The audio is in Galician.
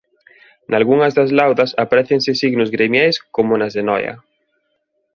Nalgunhas das laudas aprécianse signos gremiais como nas de Noia.